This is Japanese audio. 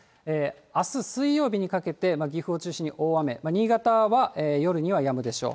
あす水曜日にかけて、岐阜を中心に大雨、新潟は夜にはやむでしょう。